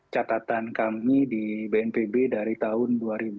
catatan kami di bnpb dari tahun dua ribu dua